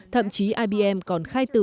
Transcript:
thậm chí ibm còn khai tử